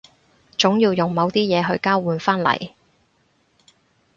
總要用某啲嘢去交換返嚟